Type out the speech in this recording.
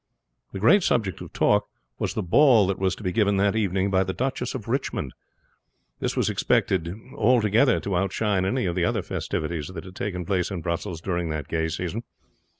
The great subject of talk was the ball that was to be given that evening by the Duchess of Richmond; this was expected altogether to outshine any of the other festivities that had taken place in Brussels during that gay season.